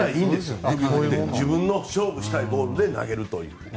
自分の勝負したいボールで投げると。